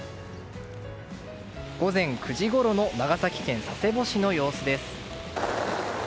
午前９時ごろの長崎県佐世保市の様子です。